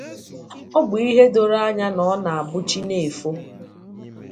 Ọ bụ ihe doro anya na ọ na-abụ chi na-efo